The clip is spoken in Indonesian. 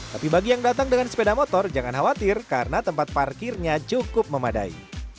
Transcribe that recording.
tapi bagi yang datang dengan sepeda motor jangan khawatir karena tempat parkirnya cukup memadai